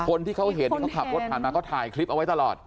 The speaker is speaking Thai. คนที่เขาเห็นที่เขาขับรถผ่านมาเขาถ่ายคลิปเอาไว้ตลอด